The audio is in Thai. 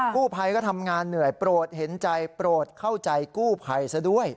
กู้ภัยก็ทำงานเหนื่อยโปรดเห็นใจโปรดเข้าใจกู้ภัยซะด้วย